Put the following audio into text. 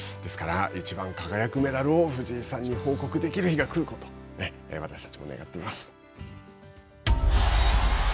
ですから、いちばん輝くメダルを藤井さんに報告できる日が来ることを私たちも願っています。